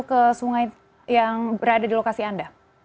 ke sungai yang berada di lokasi anda